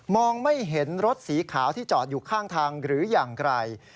ไม่เห็นรถสีขาวที่จอดอยู่ข้างทางหรืออย่างไกล